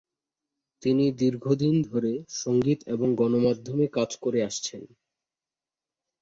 তিনি দীর্ঘ দিন ধরে সঙ্গীত এবং গণমাধ্যমে কাজ করে আসছেন।